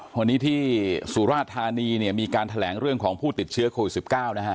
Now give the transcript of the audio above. วันนี้ที่สุราธานีเนี่ยมีการแถลงเรื่องของผู้ติดเชื้อโควิด๑๙นะฮะ